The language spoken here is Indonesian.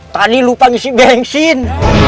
tadi lupa ngisi bensin